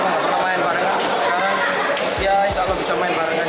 nggak pernah main barengan sekarang ya insya allah bisa main barengan